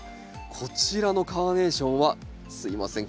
こちらのカーネーションはすいません